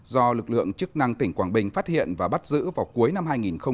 do lực lượng chức năng tỉnh quảng bình phát hiện và bắt giữ vào cuối năm hai nghìn một mươi chín